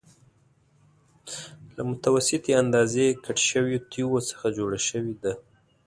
له متوسطې اندازې کټ شویو تېږو څخه جوړه شوې ده.